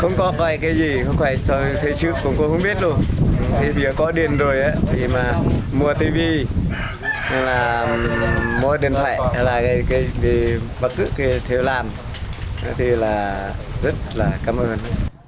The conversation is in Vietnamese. giờ có điện rồi thì mua tivi mua điện thoại bất cứ thế làm thì rất là cảm ơn